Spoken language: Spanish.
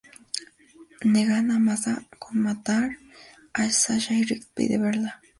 Negan amenaza con matar a Sasha, y Rick pide verla.